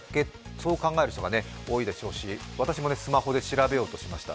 そう考える人が多いでしょうし私もスマホで調べようとしました。